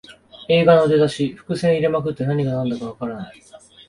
映画の出だし、伏線入れまくって何がなんだかわからない